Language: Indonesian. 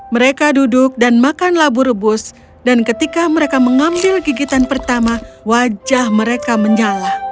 mereka duduk dan makan labu rebus dan ketika mereka mengambil gigitan pertama wajah mereka menyala